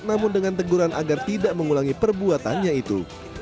namun dengan teguran agar tidak mengulangi perbuatannya itu